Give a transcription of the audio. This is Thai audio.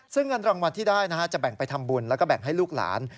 ซึ่งเงินรางวัลที่ได้จะแบ่งไปทำบุญแล้วก็แบ่งให้ลูกหลาน